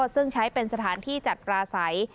ซึ่งใช้เป็นสถานที่จัดปลาใส